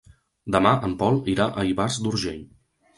Demà en Pol irà a Ivars d'Urgell.